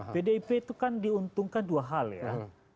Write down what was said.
pdip itu kan diuntungkan dua hal ya